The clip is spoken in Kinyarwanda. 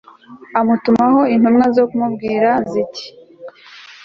amutumaho intumwa zo kumubwira ziti